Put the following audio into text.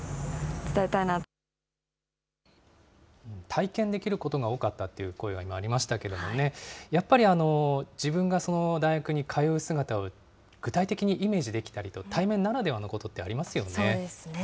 体験できることが多かったという声が今、ありましたけれどもね、やっぱり自分がその大学に通う姿を具体的にイメージできたりと、対面ならではのことってありますよね。